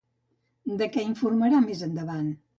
De què l'informarà més endavant?